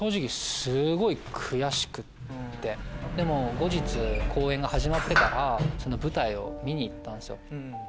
後日公演が始まってからその舞台を見に行ったんすよ。